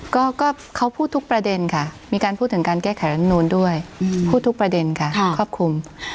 ก็เขาพูดทุกประเด็นค่ะมีการพูดถึงการแก้ไขรำนูนด้วยพูดทุกประเด็นค่ะครอบคลุม